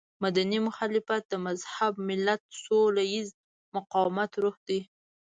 مدني مخالفت د مهذب ملت سوله ييز مقاومت روح دی.